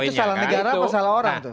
itu salah negara atau salah orang